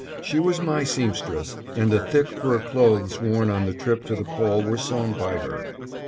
She was my seamstress and the thick fur clothes worn on the trip to the Pole were sewn by her.